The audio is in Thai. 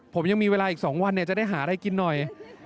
ผมยังมีเวลาอีก๒วันจะได้หาอะไรกินหน่อย